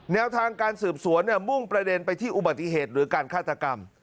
แนวทางการสืบสวนมุ่งประเด็นไปที่อุบัติเหตุหรือการฆาตกรรม